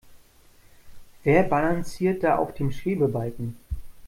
Wer balanciert da auf dem Schwebebalken?